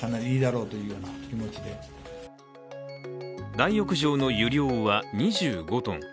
大浴場の湯量は２５ｔ。